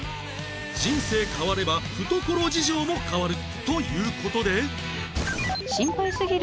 人生変われば懐事情も変わるという事で